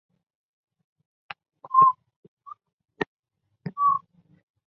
而海啸是一种具有强大破坏力的海浪。